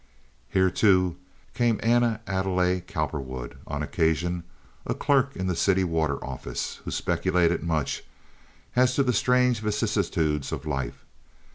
Here, too, came Anna Adelaide Cowperwood on occasion, a clerk in the city water office, who speculated much as to the strange vicissitudes of life.